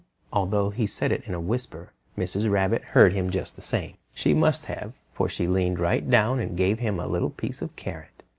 Although he said it in a whisper, Mrs. Rabbit heard him just the same. She must have, for she leaned right down and gave him a little piece of carrot.